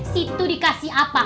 situ dikasih apa